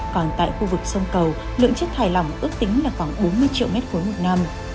còn tại khu vực sông cầu lượng chất thải lỏng ước tính là khoảng bốn mươi triệu m ba một năm